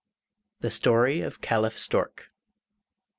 THE STORY OF CALIPH STORK I.